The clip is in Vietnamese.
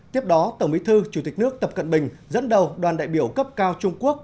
tiếp đó tổng bí thư chủ tịch nước tập cận bình dẫn đầu đoàn đại biểu cấp cao trung quốc